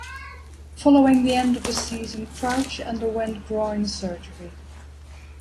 Following the end of the season, Crouch underwent groin surgery.